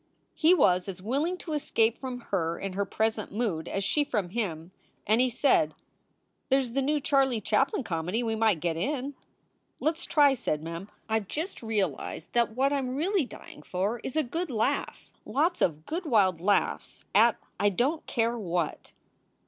He was as willing to escape from her in her present mood as she from him, and he said: "There s the new Charlie Chaplin comedy. We might get in." "Let s try," said Mem. "I ve just realized that what I m really dying for is a good laugh, lots of good wild laughs at I don t care what."